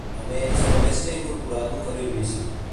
A més, també s'hi ha incorporat un carril bici.